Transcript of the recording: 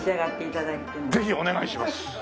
ぜひお願いします！